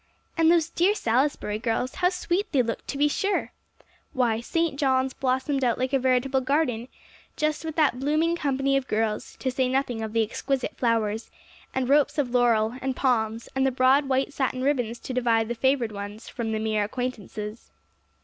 "And those dear Salisbury girls how sweet they looked, to be sure!" Why, St. John's blossomed out like a veritable garden, just with that blooming company of girls; to say nothing of the exquisite flowers, and ropes of laurel, and palms, and the broad white satin ribbons to divide the favored ones from the mere acquaintances.